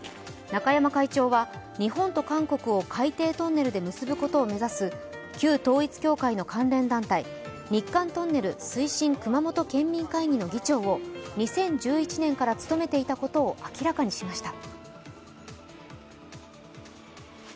中山会長は、日本と韓国を海底トンネルで結ぶことを目指す旧統一教会の関連団体、日韓トンネル推進熊本県民会議の議長を２０１１年から務めていたことを明らかにしました。